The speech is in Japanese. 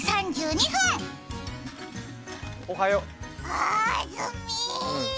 あずみ。